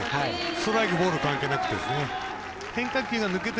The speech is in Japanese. ストライク、ボール関係なくて。